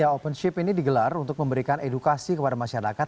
open ship ini digelar untuk memberikan edukasi kepada masyarakat